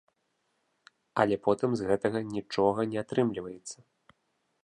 Але потым з гэтага нічога не атрымліваецца.